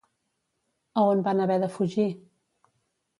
A on van haver de fugir?